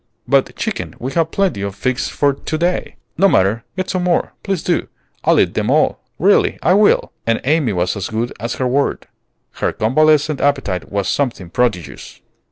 "But, chicken, we have plenty of figs for to day." "No matter; get some more, please do. I'll eat them all; really, I will." And Amy was as good as her word. Her convalescent appetite was something prodigious.